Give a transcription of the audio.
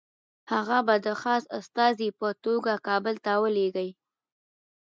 هغه به د خاص استازي په توګه کابل ته ولېږي.